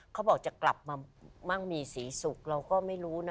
เขาบอกจะกลับมามั่งมีศรีสุขเราก็ไม่รู้นะ